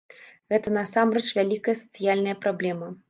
Гэта насамрэч вялікая сацыяльная праблема.